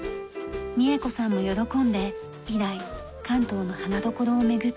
三恵子さんも喜んで以来関東の花どころを巡っています。